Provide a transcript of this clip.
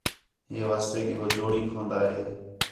ہے واسطے کہ ہو جوڑیک ہون٘دے ہے